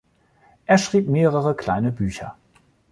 Er schrieb mehrere kleine Bücher.